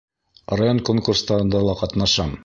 Район конкурстарында ла ҡатнашам.